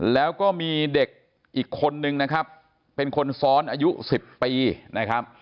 แล้วก็มีเด็กอีกคนนึงนะครับเป็นคนซ้อนอายุ๑๐ปีนะครับ